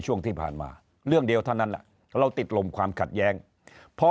ช่วงที่ผ่านมาเรื่องเดียวเท่านั้นเราติดลมความขัดแย้งพอ